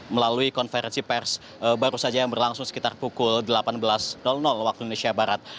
melalui konferensi pers baru saja yang berlangsung sekitar pukul delapan belas waktu indonesia barat